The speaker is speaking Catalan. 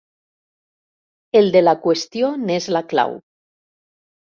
El de la qüestió n'és la clau.